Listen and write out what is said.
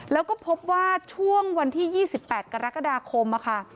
แล้วก็พบว่าช่วงวันที่๒๘กรกฎาคมค่ะ